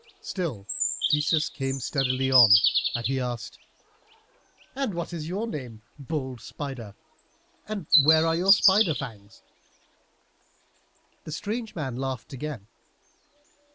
Still Theseus came steadily on, and he asked, "And what is your name, bold spider, and where are your spider's fangs?" The strange man laughed again.